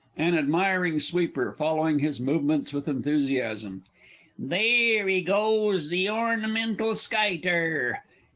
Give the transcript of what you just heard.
_ AN ADMIRING SWEEPER (following his movements with enthusiasm). Theer he goes the Ornimental Skyter!